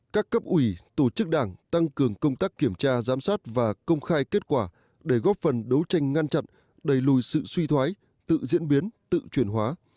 các cấp ủy tổ chức đảng tăng cường công tác kiểm tra giám sát và công khai kết quả để góp phần đấu tranh ngăn chặn đẩy lùi sự suy thoái tự diễn biến tự chuyển hóa